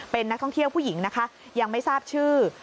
เป็นนักท่องเที่ยวผู้หญิงนะคะยังไม่ทราบชื่อ